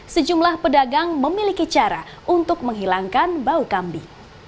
sejumlah pedagang memiliki cara untuk menghilangkan bau kambing